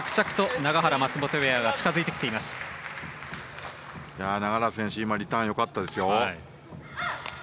永原選手リターン良かったですよ。